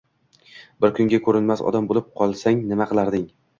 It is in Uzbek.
Bir kunga ko‘rinmas odam bo‘lib qolsang, nima qilarding?